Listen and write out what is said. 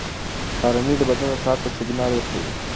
سهارنۍ د بدن ساعت ته سیګنال ورکوي.